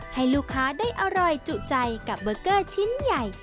ให้ลูกค้าได้อร่อยจุใจกับเบอร์เกอร์ชิ้นใหญ่